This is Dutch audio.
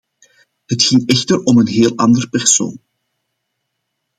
Het ging echter om een heel andere persoon.